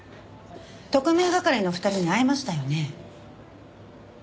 特命係の２人に会いましたよね？